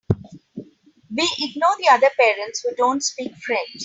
We ignore the other parents who don’t speak French.